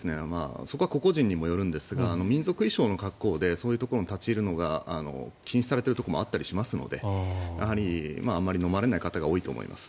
それは個々人にもよるんですが民族衣装の格好でそういうところに立ち入るのが禁止されているところもあったりしますのでやはりあまり飲まれない方が多いと思います。